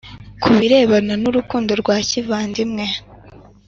Ku birebana n urukundo rwa kivandimwe